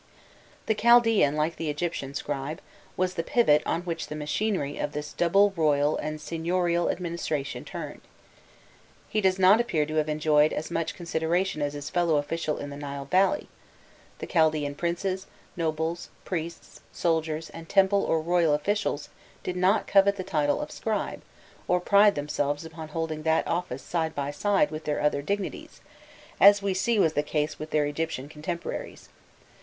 The Chaldaean, like the Egyptian scribe, was the pivot on which the machinery of this double royal and seignorial administration turned. He does not appear to have enjoyed as much consideration as his fellow official in the Nile Valley: the Chaldaean princes, nobles, priests, soldiers, and temple or royal officials, did not covet the title of scribe, or pride themselves upon holding that office side by side with their other dignities, as we see was the case with their Egyptian contemporaries.